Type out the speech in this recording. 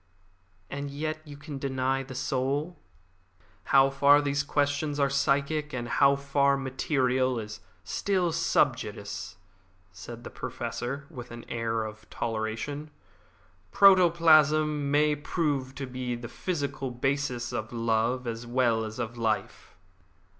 "And yet you can deny the soul?" "How far these questions are psychic and how far material is still sub judice," said the Professor, with an air of toleration. "Protoplasm may prove to be the physical basis of love as well as of life."